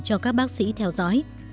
cho các bác sĩ theo dõi